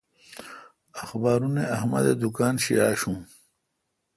اخبارونے احمد اے° دکان شی آشوں۔